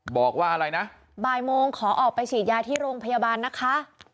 บอกว่าอะไรนะบ่ายโมงขอออกไปฉีดยาที่โรงพยาบาลนะคะ